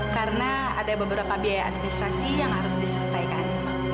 karena ada beberapa biaya administrasi yang harus disesuaikan